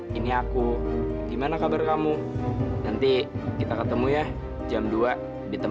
tapi bukannya saya suruh kalian menggambar rumah idaman kalian